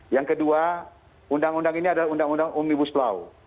yang kedua undang undang ini adalah undang undang umum ibu selaw